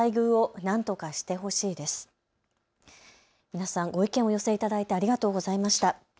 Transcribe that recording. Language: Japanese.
皆さん、ご意見をお寄せいただいてありがとうございました。